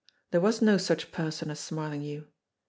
There was no such person as Smarlinghue.